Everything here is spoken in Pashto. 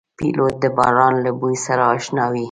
پیلوټ د باران له بوی سره اشنا وي.